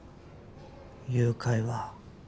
誘拐は